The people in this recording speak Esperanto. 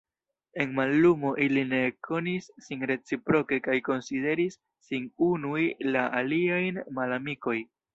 En mallumo ili ne ekkonis sin reciproke kaj konsideris sin unuj la aliajn malamikoj.